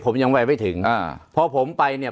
ผมยังไปไม่ถึงอ่าพอผมไปเนี่ย